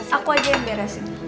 aku aja yang beresin